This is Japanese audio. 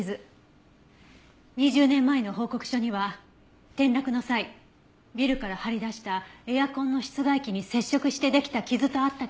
２０年前の報告書には転落の際ビルから張り出したエアコンの室外機に接触してできた傷とあったけど。